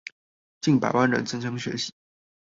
近百萬人爭相學習